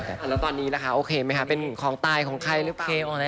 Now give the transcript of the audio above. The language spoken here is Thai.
แล้วตอนนี้นะคะโอเคไหมคะเป็นของตายของใครหรือเปล่า